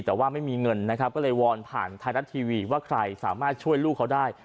แต่ว่าไม่มีเงินนะครับก็เลยวอนผ่านไทยรัฐทีวีว่าใครสามารถช่วยลูกเขาได้